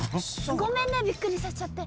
ごめんねびっくりさせちゃって。